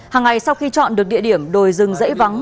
hằng ngày sau khi chọn được địa điểm đồi rừng rễ vắng